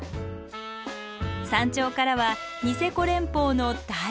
山頂からはニセコ連峰の大パノラマが！